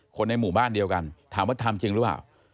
คนในหมู่บ้านเดียวกันถามว่าทำจริงหรือเปล่า